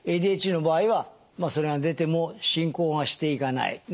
ＡＤＨＤの場合はそれが出ても進行がしていかない。